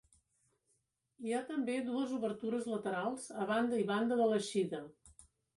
Hi ha també dues obertures laterals a banda i banda de l'eixida.